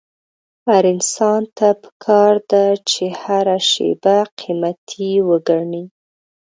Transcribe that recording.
هر انسان ته پکار ده چې هره شېبه قيمتي وګڼي.